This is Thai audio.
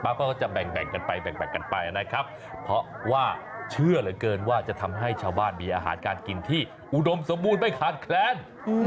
ซึ่งเสร็จป้าก็จะแบ่งกันไปแบบนั้นนะครับเพราะว่าเชื่อเหลือเกินว่าจะทำให้ชาวบ้านมีอาหารการกินที่อุดมสมูทไม่แค่แลนด์